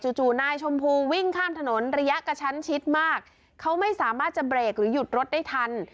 จู่นายชมพูวิ่งข้ามถนนระยะกระชั้นชิดมากเขาไม่สามารถจะเบรกหรือหยุดรถได้ทัน